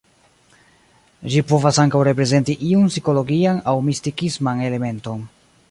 Ĝi povas ankaŭ reprezenti iun psikologian aŭ mistikisman elementon.